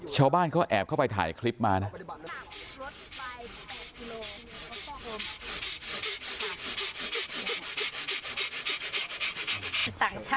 ชาวบ้านเขาแอบเข้าไปถ่ายคลิปมานะ